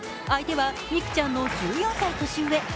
相手は美空ちゃんの１４歳年上。